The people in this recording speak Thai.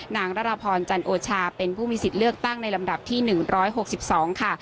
นางรพรจันโอชาเป็นผู้มีสิทธิ์เลือกตั้งในลำดับที่๑๖๒ค่ะ